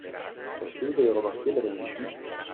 Est-ce que vous avez remarqué, madame Bichu ?